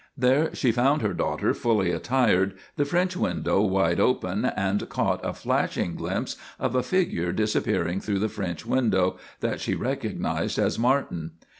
There she found her daughter fully attired, the French window wide open, and caught a flashing glimpse of a figure disappearing through the French window, that she recognised as Martin.